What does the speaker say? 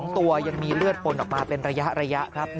ตัวยังมีเลือดปนออกมาเป็นระยะครับ